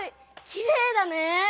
きれいだね。